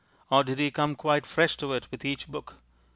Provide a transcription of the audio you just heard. Or did he come quite fresh to it with each book?